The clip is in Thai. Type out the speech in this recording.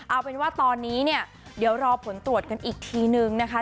เอาเป็นว่าตอนนี้เนี่ยเดี๋ยวรอผลตรวจกันอีกทีนึงนะคะ